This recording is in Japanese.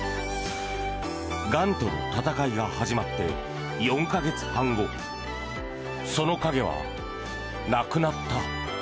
がんとの闘いが始まって４か月半後その影はなくなった。